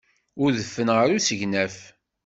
Udfen ɣer usegnaf.